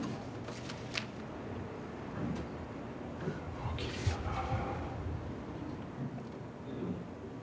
ああきれいやなあ。